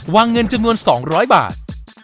วางเงินจำนวน๒๐๐บาท